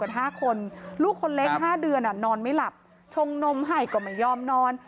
กันห้าคนลูกคนเล็กห้าเดือนนอนไม่หลับตรงนมไห่ก็ไม่ยอมนอน